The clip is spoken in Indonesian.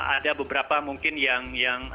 ada beberapa mungkin yang